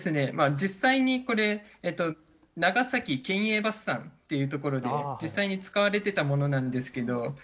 実際にこれ長崎県営バスさんっていうところで実際に使われてたものなんですけど。